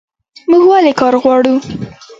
موږ ولې کار غواړو؟